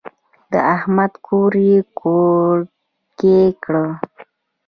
د احمد کور يې کورګی کړ.